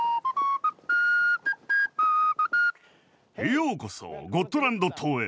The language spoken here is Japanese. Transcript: ようこそゴットランド島へ。